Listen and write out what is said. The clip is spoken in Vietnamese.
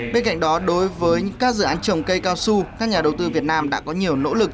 bên cạnh đó đối với các dự án trồng cây cao su các nhà đầu tư việt nam đã có nhiều nỗ lực